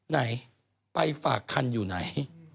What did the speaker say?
ไหนไปฝากคันอยู่ไหน